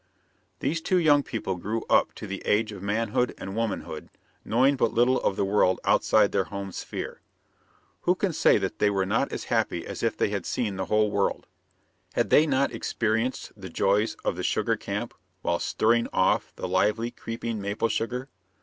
These two young people grew up to the age of manhood and womanhood, knowing but little of the world outside their home sphere. Who can say that they were not as happy as if they had seen the whole world? Had they not experienced the joys of the sugar camp while "stirring off" the lively, creeping maple sugar?